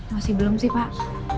masih belum sih pak